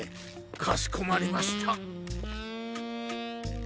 かしこまりました。